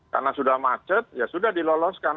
karena sudah macet ya sudah diloloskan